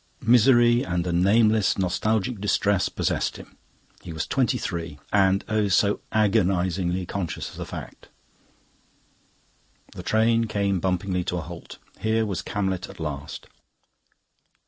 Misery and a nameless nostalgic distress possessed him. He was twenty three, and oh! so agonizingly conscious of the fact. The train came bumpingly to a halt. Here was Camlet at last.